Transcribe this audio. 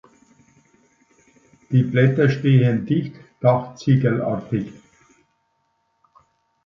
Die Blätter stehen dicht dachziegelartig.